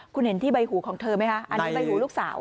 คุณเห็นที่ใบหูของเธอไหมคะ